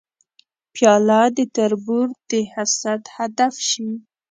پیاله د تربور د حسد هدف شي.